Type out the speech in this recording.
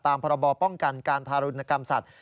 ตามพป้องกันการธารุณกรรมศัตริย์